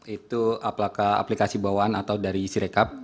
itu aplikasi bawaan atau dari sirecap